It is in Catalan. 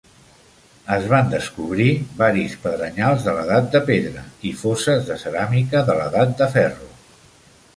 Es van descobrir varis pedrenyals de l'edat de pedra i foses de ceràmica de l'edat de ferro.